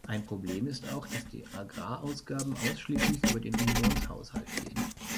Ein Problem ist auch, dass die Agrarausgaben ausschließlich über den Unionshaushalt gehen.